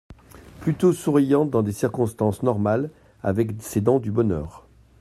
plutôt souriante dans des circonstances normales, avec ses dents du bonheur